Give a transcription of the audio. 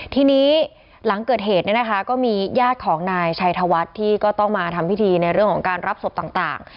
ทีนี้หลังเกิดเหตุเนี่ยนะคะก็มีญาติของนายชัยธวัฒน์ที่ก็ต้องมาทำพิธีในเรื่องของการรับศพต่าง